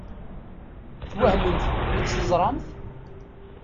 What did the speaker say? Twehmemt mi tt-teẓṛamt?